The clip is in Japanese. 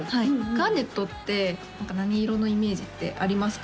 ガーネットって何色のイメージってありますか？